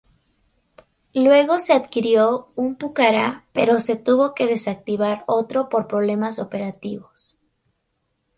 Luego se adquirió un Pucará pero se tuvo que desactivar otro por problemas operativos.